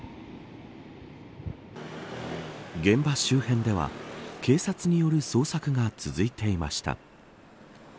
現場周辺では警察による捜索が続いていました。